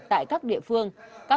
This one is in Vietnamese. tại các địa phương